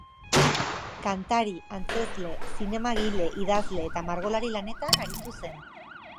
Kantari, antzezle, zinemagile, idazle eta margolari lanetan aritu zen.